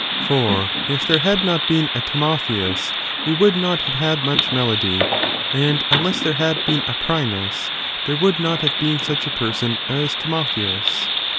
^ For if there had not been a Timotheus, we would not have had much melody ; and imless there had been a Phrynis, there would not have been such a person as Timotheus.